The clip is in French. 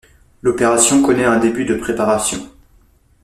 L'opération connaît un début de préparation.